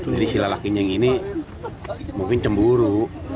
jadi sila lakinya ini mungkin cemburu